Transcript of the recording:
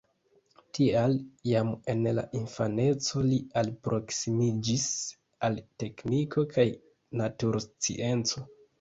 Tial jam en la infaneco li alproksimiĝis al tekniko kaj naturscienco.